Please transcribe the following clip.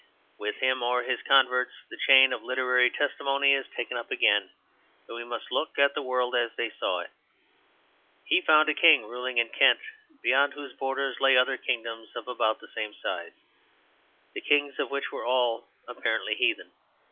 With him or his converts the chain of literary testimony is taken up again; and we must look at the world as they saw it. He found a king ruling in Kent, beyond whose borders lay other kingdoms of about the same size, the kings of which were all apparently heathen.